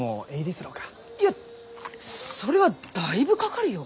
いやそれはだいぶかかるよ。